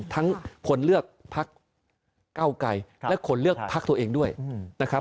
ทั้งคนเลือกพักเก้าไกรและคนเลือกพักตัวเองด้วยนะครับ